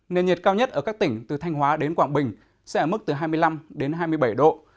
nền nhiệt cao nhất ở các tỉnh từ thanh hóa đến quảng bình sẽ ở mức từ hai mươi năm đến hai mươi bảy độ